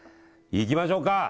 いきましょうか。